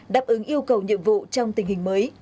đáp ứng yêu cầu nhiệm vụ trong tình hình mới